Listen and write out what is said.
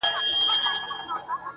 زما تصـور كي دي تصـوير ويده دی,